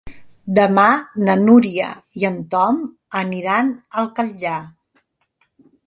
Demà na Núria i en Tom aniran al Catllar.